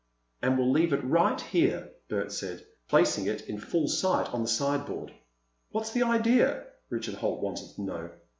"And we'll leave it right here," Bert said, placing it in full sight on the sideboard. "What's the idea?" Richard Holt wanted to know.